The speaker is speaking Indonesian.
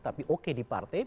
tapi oke di partai